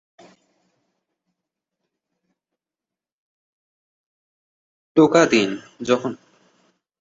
এ দলের খেলোয়াড়দের তালিকা দেয়া হলো।